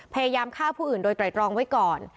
พยายามฆ่าผู้อื่นโดยไตรตรองไว้ก่อน